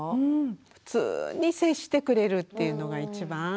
普通に接してくれるっていうのが一番。